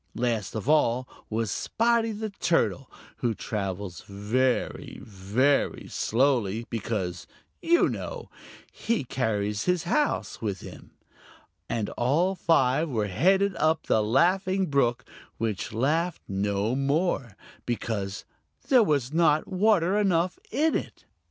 Last of all was Spotty the Turtle, who travels very, very slowly because, you know, he carries his house with him. And all five were headed up the Laughing Brook, which laughed no more, because there was not water enough in it.